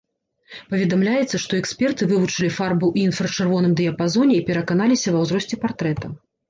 Паведамляецца, што эксперты вывучылі фарбы ў інфрачырвоным дыяпазоне і пераканаліся ва ўзросце партрэта.